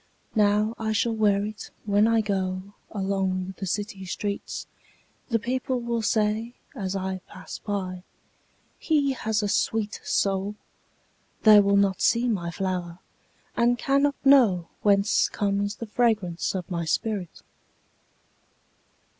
Now I shall wear itWhen I goAlong the city streets:The people will sayAs I pass by—"He has a sweet soul!"They will not see my flower, And cannot knowWhence comes the fragrance of my spirit!